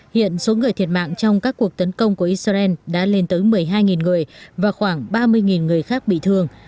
hiện số người thiệt mạng trong các cuộc tấn công của israel đã lên tới một mươi hai người và khoảng ba mươi người khác bị thương